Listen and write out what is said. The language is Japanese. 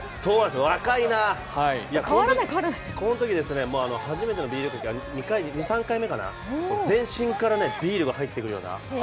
若いな、このとき２３回目かな、全身からビールが入ってくるような。